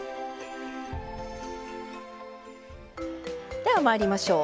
ではまいりましょう。